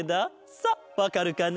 さあわかるかな？